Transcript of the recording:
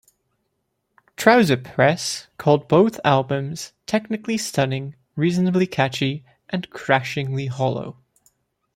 "Trouser Press" called both albums "technically stunning, reasonably catchy and crashingly hollow.